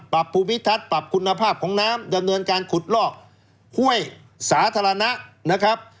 ปรับภูมิทัศน์ปรับคุณภาพของน้ำดำเนินการขุดลอกห้วยสาธารณะนะครับ